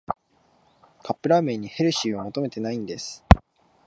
カップラーメンにヘルシーは求めてないんです